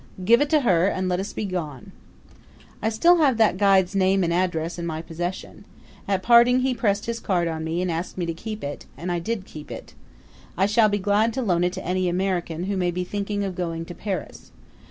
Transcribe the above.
Give it to her and let us begone!" I still have that guide's name and address in my possession. At parting he pressed his card on me and asked me to keep it; and I did keep it. I shall be glad to loan it to any American who may be thinking of going to Paris.